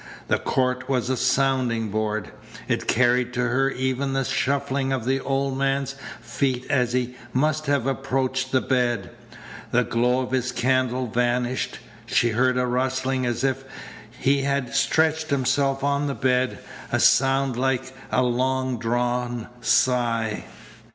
The court was a sounding board. It carried to her even the shuffling of the old man's feet as he must have approached the bed. The glow of his candle vanished. She heard a rustling as if he had stretched himself on the bed, a sound like a long drawn sigh.